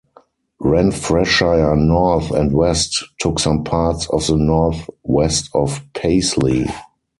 Renfrewshire North and West took some parts of the north west of Paisley.